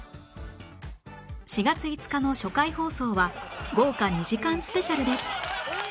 ４月５日の初回放送は豪華２時間スペシャルです